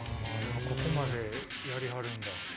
ここまでやりはるんだ。